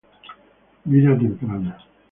Vida temprana.